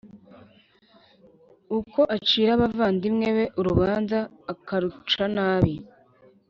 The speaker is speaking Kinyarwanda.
uko acira abavandimwe be urubanza akaruca nabi